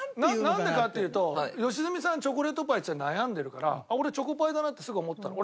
なんでかっていうと良純さん「チョコレートパイ」っつって悩んでるから俺チョコパイだなってすぐ思ったの。